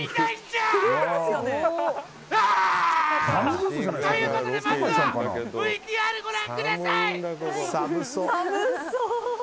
うわー！ということで、まずはＶＴＲをご覧ください。